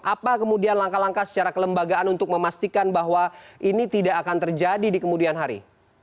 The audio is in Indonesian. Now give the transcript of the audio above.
apa kemudian langkah langkah secara kelembagaan untuk memastikan bahwa ini tidak akan terjadi di kemudian hari